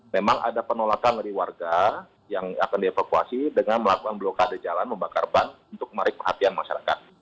memang ada penolakan dari warga yang akan dievakuasi dengan melakukan blokade jalan membakar ban untuk menarik perhatian masyarakat